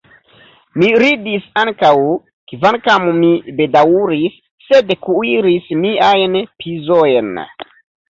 Mi ridis ankaŭ, kvankam mi bedaŭris, sed kuiris miajn pizojn.